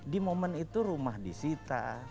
di momen itu rumah disita